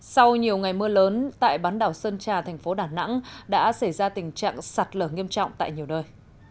sau nhiều ngày mưa lớn tại bán đảo sơn trà thành phố đà nẵng đã xảy ra tình trạng sạt lở nghiêm trọng tại nhiều nơi